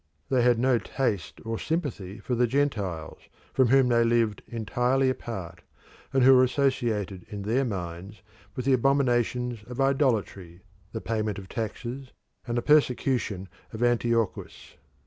They had no taste or sympathy for the Gentiles, from whom they lived entirely apart, and who were associated in their minds with the abominations of idolatry, the payment of taxes, and the persecution of Antiochus.